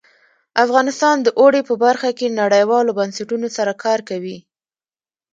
افغانستان د اوړي په برخه کې نړیوالو بنسټونو سره کار کوي.